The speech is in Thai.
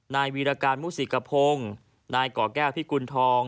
นายวีรการมุษิกระพงนายก่อกแก้วพี่กุณฑอง